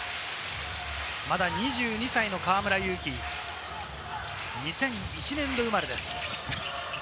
２２歳の河村勇輝、２００１年、生まれです。